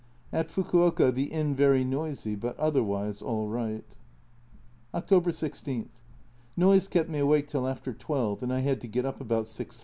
At Fukuoka the inn very noisy, but otherwise all right. October 16. Noise kept me awake till after 12, and I had to get up about 6.30.